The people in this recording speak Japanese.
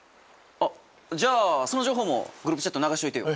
じゃあその情報もグループチャットに流しといてよ。